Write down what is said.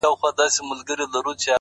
دې لېوني پنځه لمونځونه وکړله نن!!